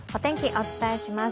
お伝えします。